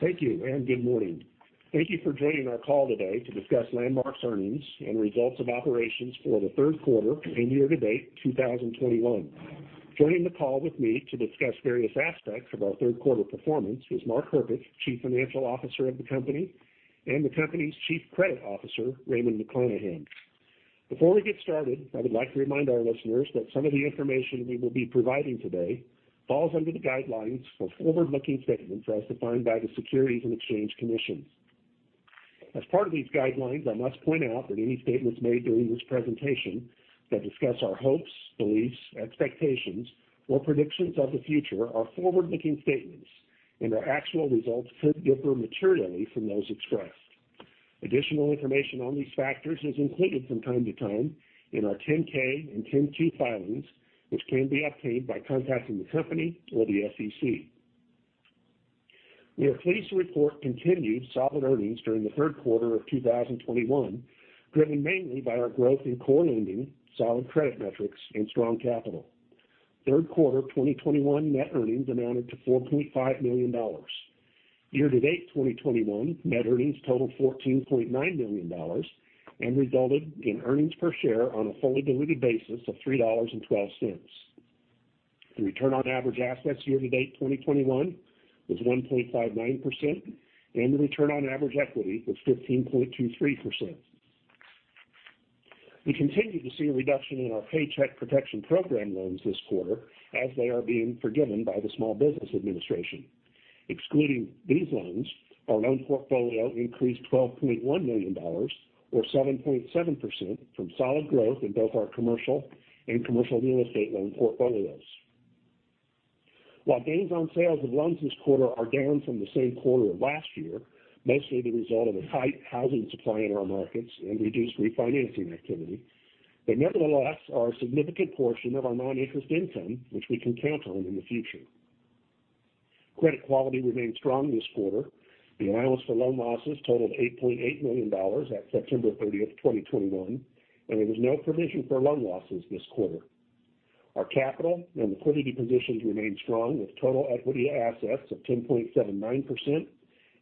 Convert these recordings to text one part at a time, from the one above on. Thank you, and good morning. Thank you for joining our call today to discuss Landmark's earnings and results of operations for the third quarter and year-to-date 2021. Joining the call with me to discuss various aspects of our third quarter performance is Mark Herpich, Chief Financial Officer of the company, and the company's Chief Credit Officer, Raymond McLanahan. Before we get started, I would like to remind our listeners that some of the information we will be providing today falls under the guidelines for forward-looking statements as defined by the Securities and Exchange Commission. As part of these guidelines, I must point out that any statements made during this presentation that discuss our hopes, beliefs, expectations, or predictions of the future are forward-looking statements, and our actual results could differ materially from those expressed. Additional information on these factors is included from time to time in our 10-K and 10-Q filings, which can be obtained by contacting the company or the SEC. We are pleased to report continued solid earnings during the third quarter of 2021, driven mainly by our growth in core lending, solid credit metrics and strong capital. Third quarter 2021 net earnings amounted to $4.5 million. Year-to-date 2021 net earnings totaled $14.9 million and resulted in earnings per share on a fully-diluted basis of $3.12. The return on average assets year-to-date 2021 was 1.59%, and the return on average equity was 15.23%. We continue to see a reduction in our Paycheck Protection Program loans this quarter as they are being forgiven by the Small Business Administration. Excluding these loans, our loan portfolio increased $12.1 million or 7.7% from solid growth in both our commercial and commercial real estate loan portfolios. While gains on sales of loans this quarter are down from the same quarter of last year, mostly the result of a tight housing supply in our markets and reduced refinancing activity, they nevertheless are a significant portion of our non-interest income, which we can count on in the future. Credit quality remained strong this quarter. The allowance for loan losses totaled $8.8 million at September 30, 2021, and there was no provision for loan losses this quarter. Our capital and liquidity positions remain strong, with total equity to assets of 10.79%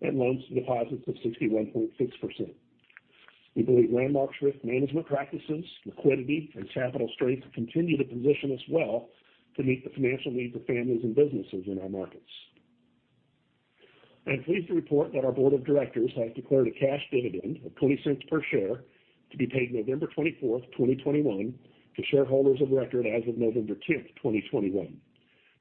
and loans to deposits of 61.6%. We believe Landmark's risk management practices, liquidity, and capital strength continue to position us well to meet the financial needs of families and businesses in our markets. I am pleased to report that our board of directors has declared a cash dividend of $0.20 per share to be paid November 24, 2021 to shareholders of record as of November 10, 2021.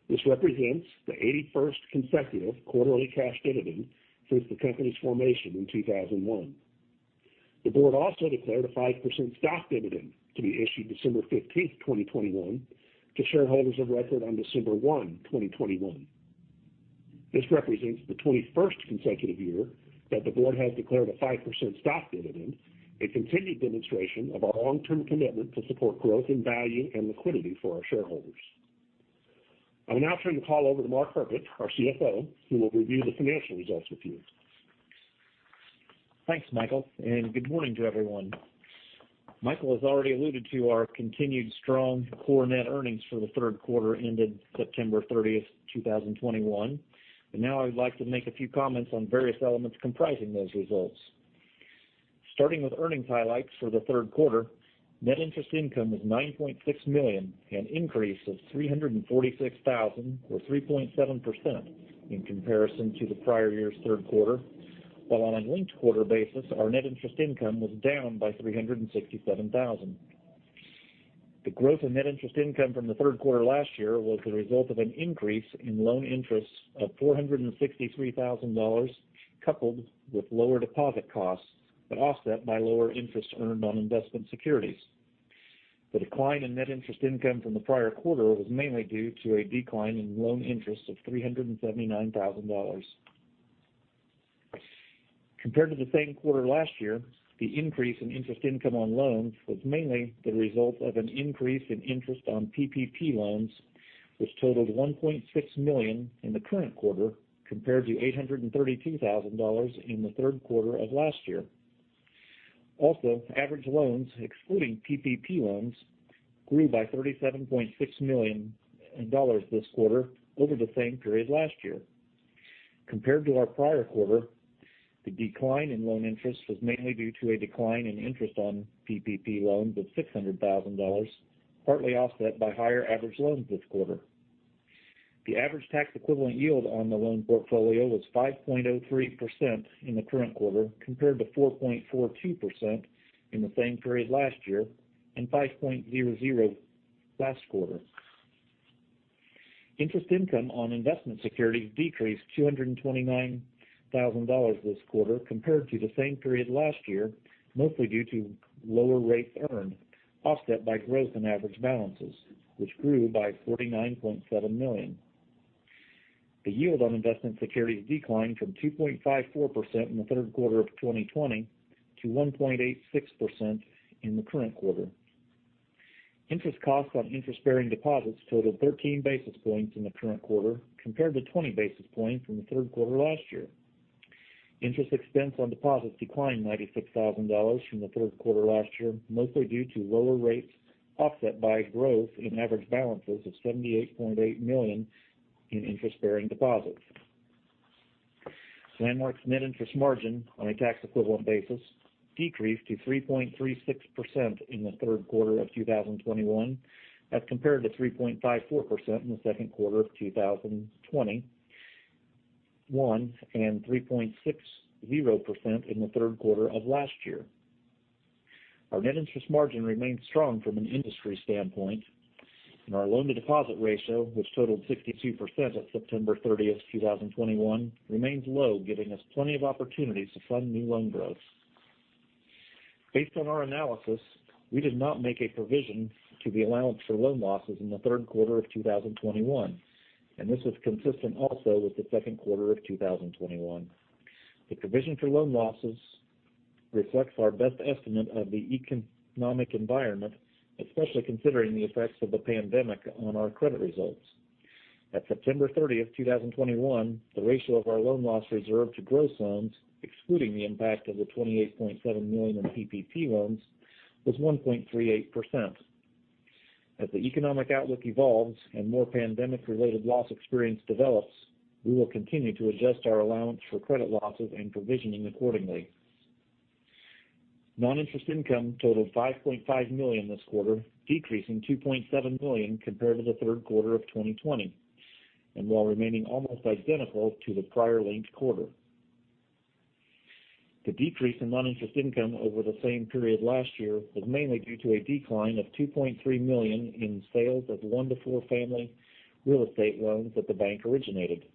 This represents the 81st consecutive quarterly cash dividend since the company's formation in 2001. The board also declared a 5% stock dividend to be issued December 15, 2021 to shareholders of record on December 1, 2021. This represents the 21st consecutive year that the board has declared a 5% stock dividend, a continued demonstration of our long-term commitment to support growth in value and liquidity for our shareholders. I will now turn the call over to Mark Herpich, our CFO, who will review the financial results with you. Thanks, Michael, and good morning to everyone. Michael has already alluded to our continued strong core net earnings for the third quarter ended September 30, 2021, and now I'd like to make a few comments on various elements comprising those results. Starting with earnings highlights for the third quarter, net interest income was $9.6 million, an increase of $346,000 or 3.7% in comparison to the prior year's third quarter, while on a linked quarter basis, our net interest income was down by $367,000. The growth in net interest income from the third quarter last year was the result of an increase in loan interest of $463,000, coupled with lower deposit costs, but offset by lower interest earned on investment securities. The decline in net interest income from the prior quarter was mainly due to a decline in loan interest of $379,000. Compared to the same quarter last year, the increase in interest income on loans was mainly the result of an increase in interest on PPP loans, which totaled $1.6 million in the current quarter compared to $832,000 in the third quarter of last year. Also, average loans excluding PPP loans grew by $37.6 million dollars this quarter over the same period last year. Compared to our prior quarter, the decline in loan interest was mainly due to a decline in interest on PPP loans of $600,000, partly offset by higher average loans this quarter. The average tax-equivalent yield on the loan portfolio was 5.03% in the current quarter compared to 4.42% in the same period last year and 5.00% last quarter. Interest income on investment securities decreased $229,000 this quarter compared to the same period last year, mostly due to lower rates earned, offset by growth in average balances, which grew by $49.7 million. The yield on investment securities declined from 2.54% in the third quarter of 2020 to 1.86% in the current quarter. Interest costs on interest-bearing deposits totaled 13 basis points in the current quarter compared to 20 basis points in the third quarter last year. Interest expense on deposits declined $96,000 from the third quarter last year, mostly due to lower rates, offset by growth in average balances of $78.8 million in interest-bearing deposits. Landmark's net interest margin on a tax equivalent basis decreased to 3.36% in the third quarter of 2021, as compared to 3.54% in the second quarter of 2021, and 3.60% in the third quarter of last year. Our net interest margin remains strong from an industry standpoint, and our loan-to-deposit ratio, which totaled 62% at September 30, 2021, remains low, giving us plenty of opportunities to fund new loan growth. Based on our analysis, we did not make a provision to the allowance for loan losses in the third quarter of 2021, and this is consistent also with the second quarter of 2021. The provision for loan losses reflects our best estimate of the economic environment, especially considering the effects of the pandemic on our credit results. At September 30, 2021, the ratio of our loan loss reserve to gross loans, excluding the impact of the $28.7 million in PPP loans, was 1.38%. As the economic outlook evolves and more pandemic-related loss experience develops, we will continue to adjust our allowance for credit losses and provisioning accordingly. Non-interest income totaled $5.5 million this quarter, decreasing $2.7 million compared to the third quarter of 2020, and while remaining almost identical to the prior linked quarter. The decrease in non-interest income over the same period last year was mainly due to a decline of $2.3 million in sales of one to four family real estate loans that the bank originated.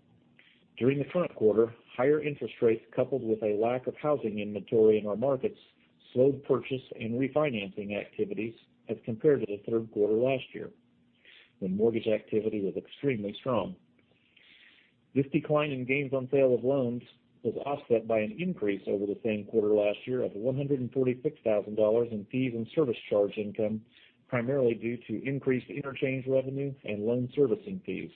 During the current quarter, higher interest rates, coupled with a lack of housing inventory in our markets, slowed purchase and refinancing activities as compared to the third quarter last year, when mortgage activity was extremely strong. This decline in gains on sale of loans was offset by an increase over the same quarter last year of $146,000 in fees and service charge income, primarily due to increased interchange revenue and loan servicing fees.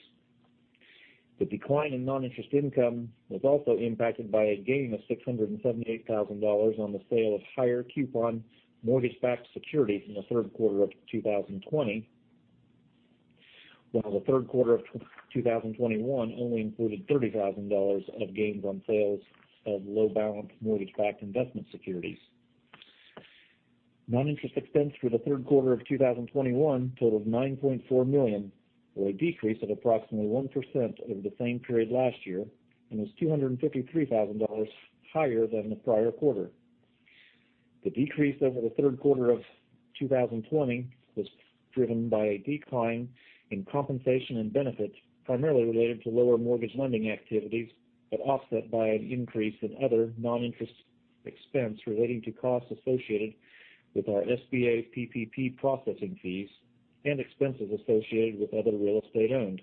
The decline in non-interest income was also impacted by a gain of $678,000 on the sale of higher coupon mortgage-backed securities in the third quarter of 2020, while the third quarter of 2021 only included $30,000 of gains on sales of low balance mortgage-backed investment securities. Non-interest expense for the third quarter of 2021 totaled $9.4 million, or a decrease of approximately 1% over the same period last year, and was $253,000 higher than the prior quarter. The decrease over the third quarter of 2020 was driven by a decline in compensation and benefits, primarily related to lower mortgage lending activities, but offset by an increase in other non-interest expense relating to costs associated with our SBA PPP processing fees and expenses associated with other real estate owned.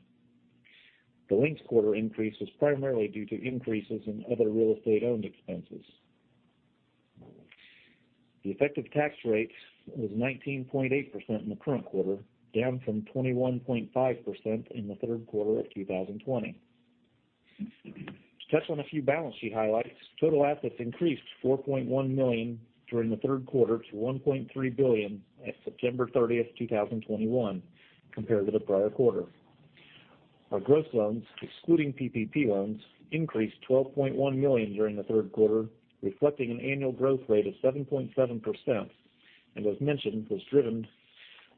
The linked quarter increase was primarily due to increases in other real estate owned expenses. The effective tax rate was 19.8% in the current quarter, down from 21.5% in the third quarter of 2020. To touch on a few balance sheet highlights, total assets increased $4.1 million during the third quarter to $1.3 billion at September 30, 2021 compared to the prior quarter. Our gross loans, excluding PPP loans, increased $12.1 million during the third quarter, reflecting an annual growth rate of 7.7%, and as mentioned, was driven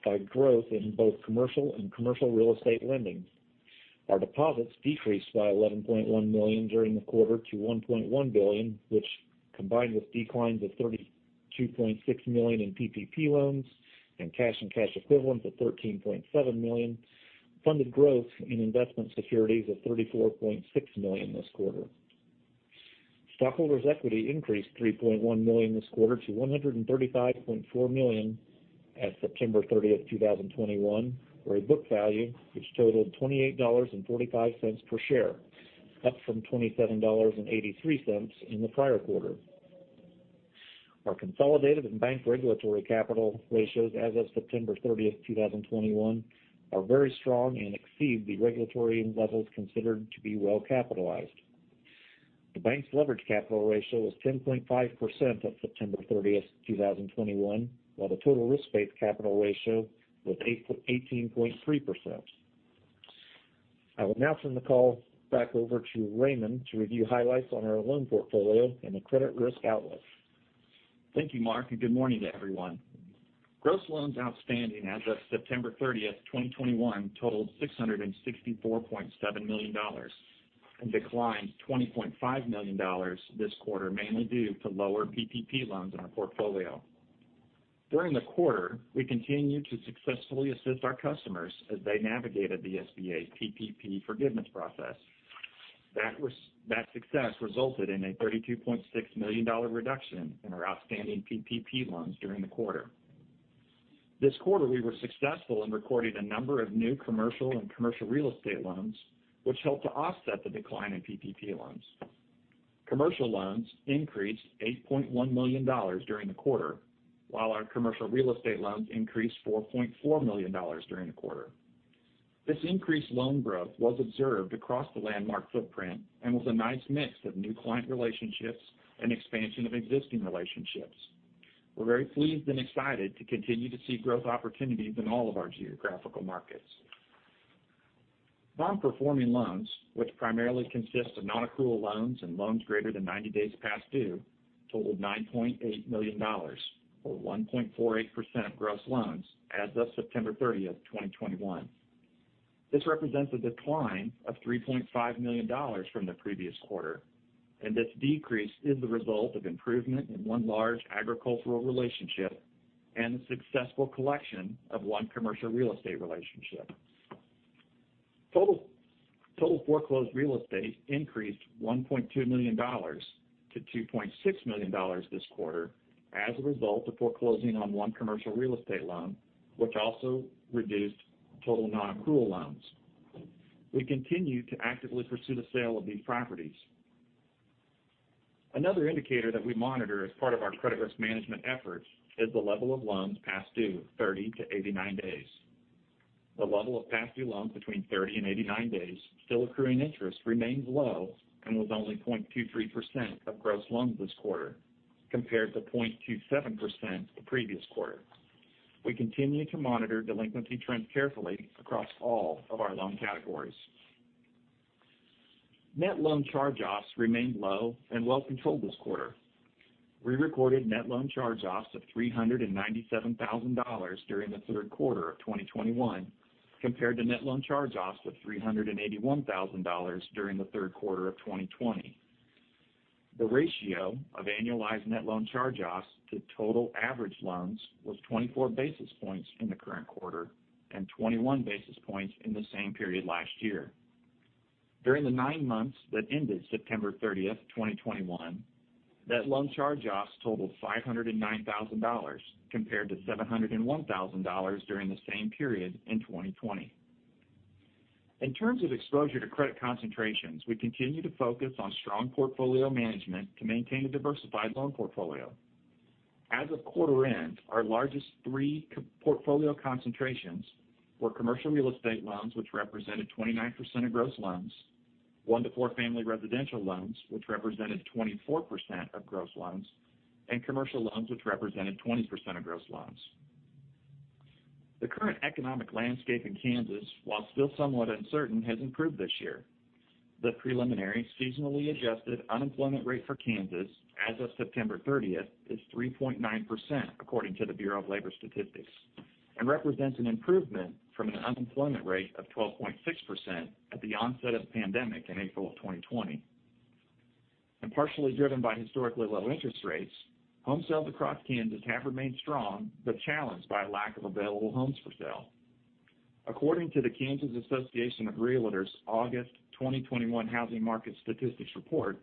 by growth in both commercial and commercial real estate lending. Our deposits decreased by $11.1 million during the quarter to $1.1 billion, which, combined with declines of $32.6 million in PPP loans and cash and cash equivalents of $13.7 million, funded growth in investment securities of $34.6 million this quarter. Stockholders' equity increased $3.1 million this quarter to $135.4 million at September 30, 2021, or a book value which totaled $28.45 per share, up from $27.83 in the prior quarter. Our consolidated and bank regulatory capital ratios as of September 30, 2021 are very strong and exceed the regulatory levels considered to be well capitalized. The bank's leverage capital ratio was 10.5% at September 30, 2021, while the total risk-based capital ratio was 18.3%. I will now turn the call back over to Raymond to review highlights on our loan portfolio and the credit risk outlook. Thank you, Mark, and good morning to everyone. Gross loans outstanding as of September 30, 2021 totaled $664.7 million and declined $20.5 million this quarter, mainly due to lower PPP loans in our portfolio. During the quarter, we continued to successfully assist our customers as they navigated the SBA's PPP forgiveness process. That success resulted in a $32.6 million reduction in our outstanding PPP loans during the quarter. This quarter, we were successful in recording a number of new commercial and commercial real estate loans, which helped to offset the decline in PPP loans. Commercial loans increased $8.1 million during the quarter, while our commercial real estate loans increased $4.4 million during the quarter. This increased loan growth was observed across the Landmark footprint and was a nice mix of new client relationships and expansion of existing relationships. We're very pleased and excited to continue to see growth opportunities in all of our geographical markets. Non-performing loans, which primarily consist of nonaccrual loans and loans greater than 90 days past due, totaled $9.8 million, or 1.48% of gross loans as of September 30, 2021. This represents a decline of $3.5 million from the previous quarter, and this decrease is the result of improvement in one large agricultural relationship and the successful collection of one commercial real estate relationship. Total foreclosed real estate increased $1.2 million-$2.6 million this quarter as a result of foreclosing on one commercial real estate loan, which also reduced total nonaccrual loans. We continue to actively pursue the sale of these properties. Another indicator that we monitor as part of our credit risk management efforts is the level of loans past due 30-89 days. The level of past due loans between 30 and 89 days still accruing interest remains low and was only 0.23% of gross loans this quarter compared to 0.27% the previous quarter. We continue to monitor delinquency trends carefully across all of our loan categories. Net loan charge-offs remained low and well controlled this quarter. We recorded net loan charge-offs of $397,000 during the third quarter of 2021 compared to net loan charge-offs of $381,000 during the third quarter of 2020. The ratio of annualized net loan charge-offs to total average loans was 24 basis points in the current quarter and 21 basis points in the same period last year. During the nine months that ended September 30, 2021, net loan charge-offs totaled $509,000 compared to $701,000 during the same period in 2020. In terms of exposure to credit concentrations, we continue to focus on strong portfolio management to maintain a diversified loan portfolio. As of quarter end, our largest three portfolio concentrations were commercial real estate loans, which represented 29% of gross loans, one to four family residential loans, which represented 24% of gross loans, and commercial loans, which represented 20% of gross loans. The current economic landscape in Kansas, while still somewhat uncertain, has improved this year. The preliminary seasonally adjusted unemployment rate for Kansas as of September 30 is 3.9% according to the Bureau of Labor Statistics, and represents an improvement from an unemployment rate of 12.6% at the onset of the pandemic in April 2020. Partially driven by historically low interest rates, home sales across Kansas have remained strong, but challenged by a lack of available homes for sale. According to the Kansas Association of REALTORS® August 2021 housing market statistics report,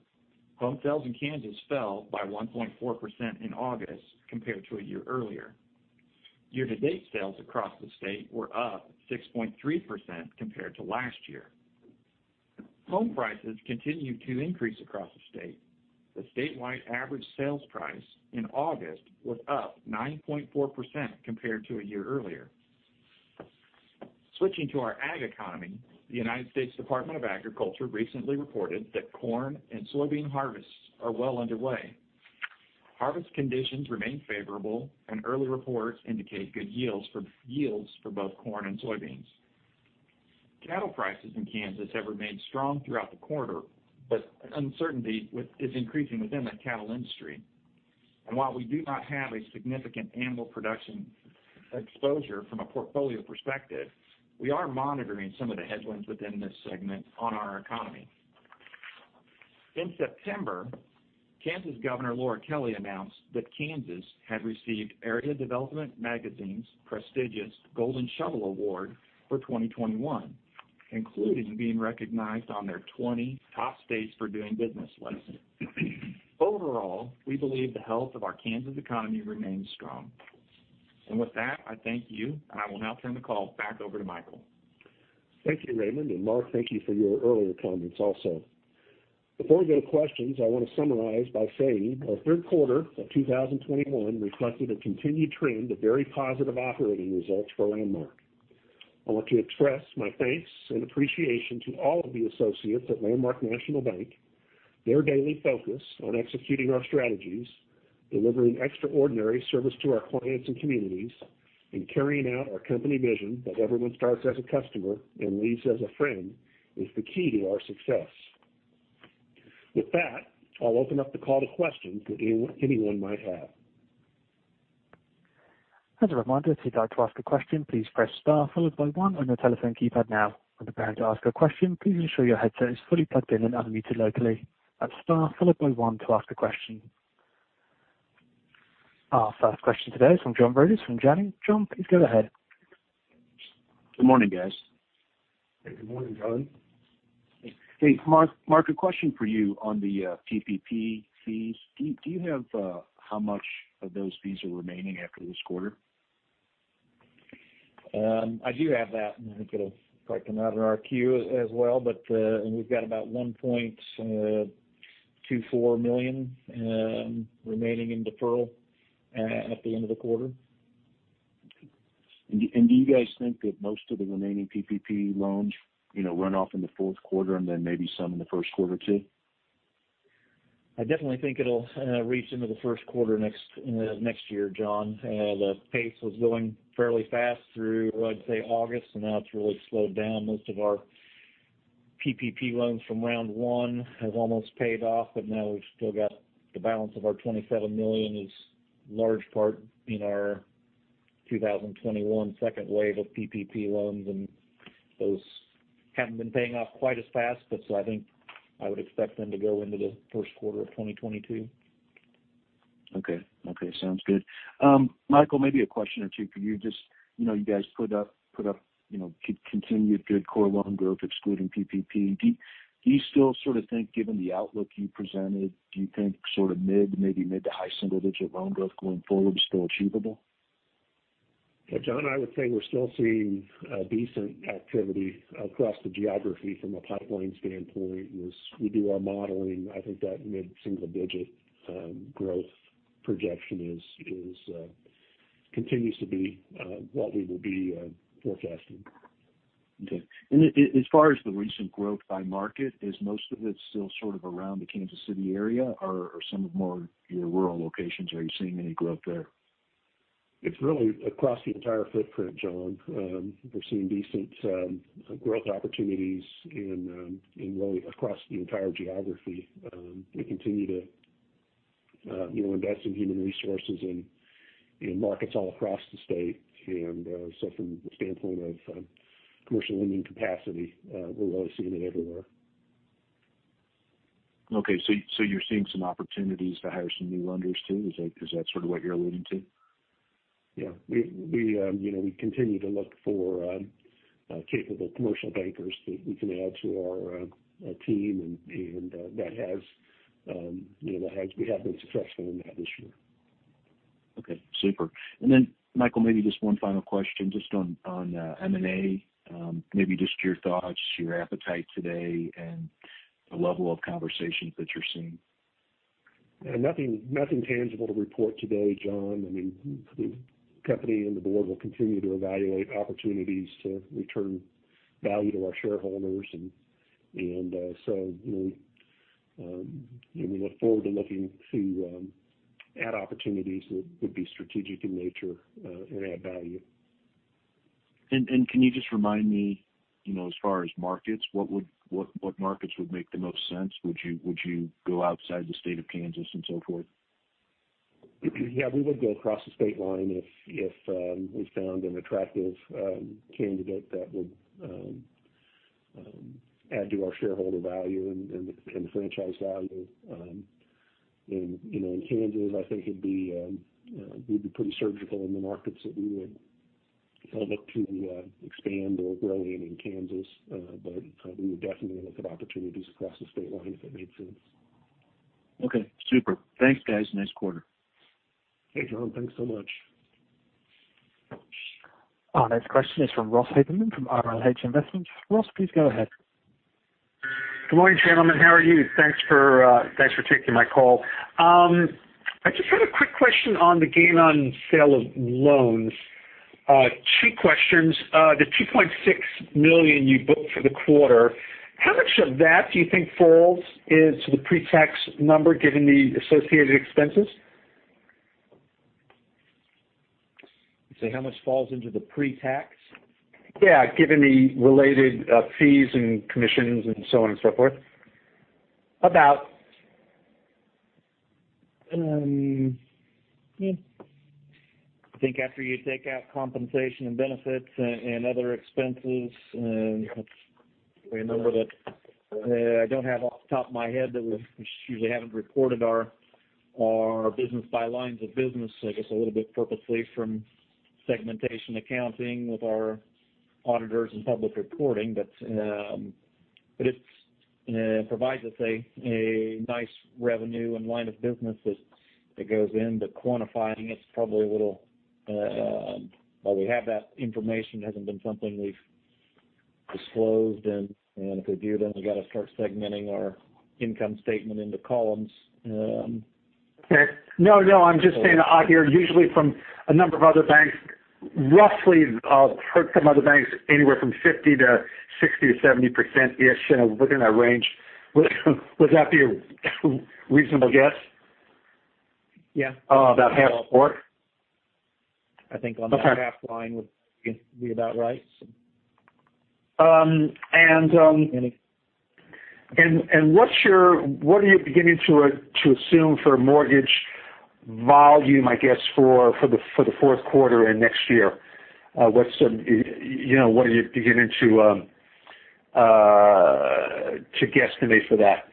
home sales in Kansas fell by 1.4% in August compared to a year earlier. Year-to-date sales across the state were up 6.3% compared to last year. Home prices continue to increase across the state. The statewide average sales price in August was up 9.4% compared to a year earlier. Switching to our ag economy, the United States Department of Agriculture recently reported that corn and soybean harvests are well underway. Harvest conditions remain favorable and early reports indicate good yields for both corn and soybeans. Cattle prices in Kansas have remained strong throughout the quarter, but uncertainty is increasing within the cattle industry. While we do not have a significant animal production exposure from a portfolio perspective, we are monitoring some of the headwinds within this segment on our economy. In September, Kansas Governor Laura Kelly announced that Kansas had received Area Development magazine's prestigious Gold Shovel Award for 2021, including being recognized on their 20 top states for doing business list. Overall, we believe the health of our Kansas economy remains strong. With that, I thank you, and I will now turn the call back over to Michael. Thank you, Raymond. Mark, thank you for your earlier comments also. Before we go to questions, I want to summarize by saying our third quarter of 2021 reflected a continued trend of very positive operating results for Landmark. I want to express my thanks and appreciation to all of the associates at Landmark National Bank. Their daily focus on executing our strategies, delivering extraordinary service to our clients and communities, and carrying out our company vision that everyone starts as a customer and leaves as a friend, is the key to our success. With that, I'll open up the call to questions that anyone might have. As a reminder, if you'd like to ask a question, please press star followed by one on your telephone keypad now. When preparing to ask a question, please ensure your headset is fully plugged in and unmuted locally. That's star followed by one to ask a question. Our first question today is from John Rodis from Janney. John, please go ahead. Good morning, guys. Good morning, John. Hey, Mark, a question for you on the PPP fees. Do you have how much of those fees are remaining after this quarter? I do have that, and I think it'll probably come out in our Q as well. We've got about one point. $2.4 million remaining in deferral at the end of the quarter. Do you guys think that most of the remaining PPP loans, you know, run off in the fourth quarter and then maybe some in the first quarter too? I definitely think it'll reach into the first quarter next year, John. The pace was going fairly fast through, I'd say, August, and now it's really slowed down. Most of our PPP loans from round one have almost paid off, but now we've still got the balance of our $27 million is a large part in our 2021 second wave of PPP loans, and those haven't been paying off quite as fast. I think I would expect them to go into the first quarter of 2022. Okay. Okay, sounds good. Mark, maybe a question or two for you. Just, you know, you guys put up continued good core loan growth excluding PPP. Do you still sort of think, given the outlook you presented, do you think sort of mid, maybe mid- to high-single-digit loan growth going forward is still achievable? Yeah, John, I would say we're still seeing decent activity across the geography from a pipeline standpoint. As we do our modeling, I think that mid-single digit growth projection continues to be what we will be forecasting. Okay. As far as the recent growth by market, is most of it still sort of around the Kansas City area or some more of your rural locations? Are you seeing any growth there? It's really across the entire footprint, John. We're seeing decent growth opportunities in really across the entire geography. We continue to, you know, invest in human resources in markets all across the state. From the standpoint of commercial lending capacity, we're really seeing it everywhere. Okay. You're seeing some opportunities to hire some new lenders too? Is that sort of what you're alluding to? Yeah. You know, we continue to look for capable commercial bankers that we can add to our team and we have been successful in that this year. Okay, super. Michael, maybe just one final question just on M&A. Maybe just your thoughts, your appetite today and the level of conversations that you're seeing. Nothing tangible to report today, John. I mean, the company and the board will continue to evaluate opportunities to return value to our shareholders. You know, we look forward to looking to add opportunities that would be strategic in nature, and add value. Can you just remind me, you know, as far as markets, what markets would make the most sense? Would you go outside the state of Kansas and so forth? Yeah, we would go across the state line if we found an attractive candidate that would add to our shareholder value and franchise value. You know, in Kansas, I think we'd be pretty surgical in the markets that we would look to expand or grow in Kansas. We would definitely look at opportunities across the state line if it made sense. Okay, super. Thanks, guys. Nice quarter. Hey, John. Thanks so much. Our next question is from Ross Haberman from RLH Investments. Ross, please go ahead. Good morning, gentlemen. How are you? Thanks for taking my call. I just had a quick question on the gain on sale of loans. Two questions. The $2.6 million you booked for the quarter, how much of that do you think falls into the pre-tax number given the associated expenses? Say how much falls into the pre-tax? Yeah, given the related, fees and commissions and so on and so forth. I think after you take out compensation and benefits and other expenses, that's a number that I don't have off the top of my head, but we usually haven't reported our business by lines of business, I guess, a little bit purposely from segmentation accounting with our auditors and public reporting. It provides us a nice revenue and line of business that goes in, but quantifying it is probably a little. While we have that information, it hasn't been something we've disclosed and if we do, then we've got to start segmenting our income statement into columns. No, no, I'm just saying I hear usually from a number of other banks, roughly, I've heard some other banks anywhere from 50%-60% or 70%-ish, you know, within that range. Would that be a reasonable guess? Yeah. About half support. I think on the half line would be about right. Um, and, um- Any- What are you beginning to assume for mortgage volume, I guess, for the fourth quarter and next year? You know, what are you beginning to guesstimate for that?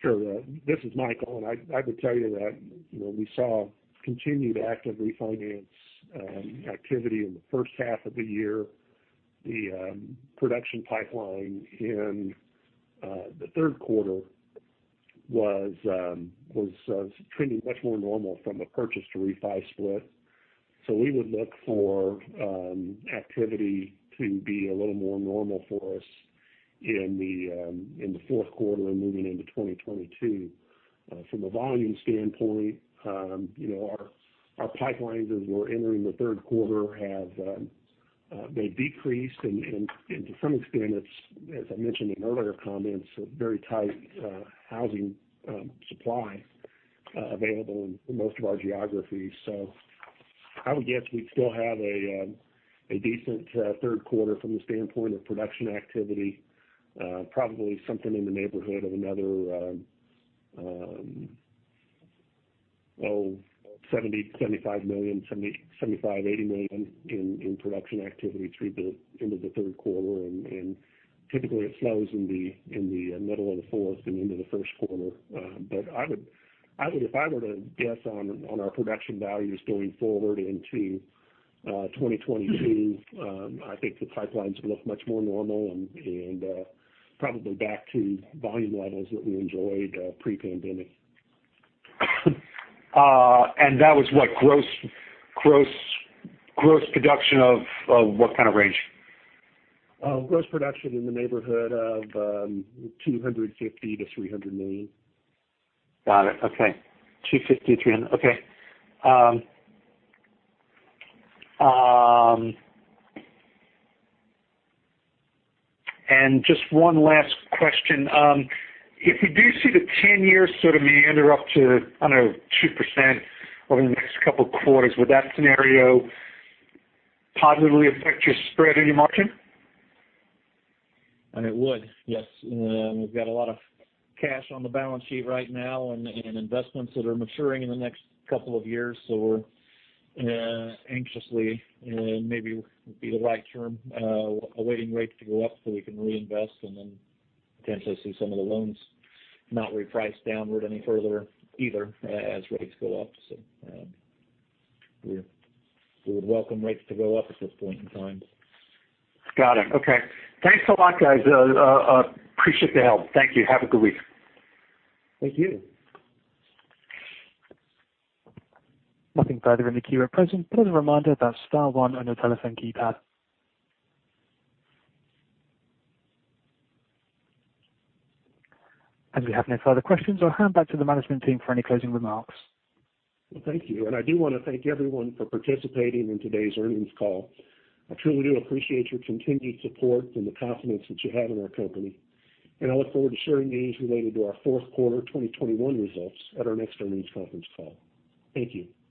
Sure. This is Michael, and I would tell you that, you know, we saw continued active refinance activity in the first half of the year. The production pipeline in the third quarter was trending much more normal from the purchase to refi split. We would look for activity to be a little more normal for us in the fourth quarter and moving into 2022. From a volume standpoint, you know, our pipelines as we're entering the third quarter have decreased and to some extent, it's as I mentioned in earlier comments, a very tight housing supply available in most of our geographies. I would guess we'd still have a decent third quarter from the standpoint of production activity, probably something in the neighborhood of another $70 million-$80 million in production activity through the end of the third quarter. Typically it slows in the middle of the fourth and into the first quarter. If I were to guess on our production values going forward into 2022, I think the pipelines look much more normal and probably back to volume levels that we enjoyed pre-pandemic. That was what? Gross production of what kind of range? Gross production in the neighborhood of $250 million-$300 million. Got it. Okay. 250, 300. Okay. Just one last question. If you do see the 10-year sort of meander up to, I don't know, 2% over the next couple of quarters, would that scenario positively affect your spread and margin? It would, yes. We've got a lot of cash on the balance sheet right now and investments that are maturing in the next couple of years. We're anxiously, maybe would be the right term, awaiting rates to go up so we can reinvest and then potentially see some of the loans not reprice downward any further either as rates go up. We would welcome rates to go up at this point in time. Got it. Okay. Thanks a lot, guys. Appreciate the help. Thank you. Have a good week. Thank you. Nothing further in the queue at present. Please, a reminder about star one on your telephone keypad. As we have no further questions, I'll hand back to the management team for any closing remarks. Well, thank you. I do wanna thank everyone for participating in today's earnings call. I truly do appreciate your continued support and the confidence that you have in our company, and I look forward to sharing news related to our fourth quarter 2021 results at our next earnings conference call. Thank you.